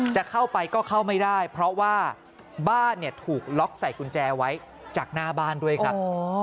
จะเข้าไปก็เข้าไม่ได้เพราะว่าบ้านเนี่ยถูกล็อกใส่กุญแจไว้จากหน้าบ้านด้วยครับ